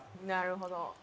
なるほど。